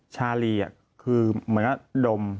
ชาลีคือเหมือนกับดม